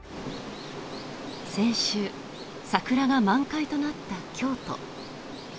先週、桜が満開となった京都。